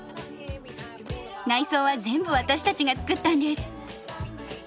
内装は全部私たちが作ったんです。